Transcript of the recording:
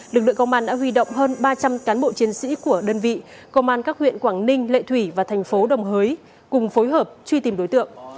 lực lượng công an đã huy động hơn ba trăm linh cán bộ chiến sĩ của đơn vị công an các huyện quảng ninh lệ thủy và thành phố đồng hới cùng phối hợp truy tìm đối tượng